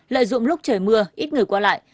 lợi dụng lúc trời mưa ít người qua lại